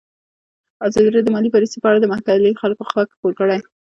ازادي راډیو د مالي پالیسي په اړه د محلي خلکو غږ خپور کړی.